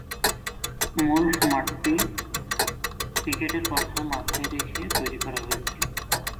মূল মাঠটি ক্রিকেটের কথা মাথায় রেখে তৈরি করা হয়েছিল।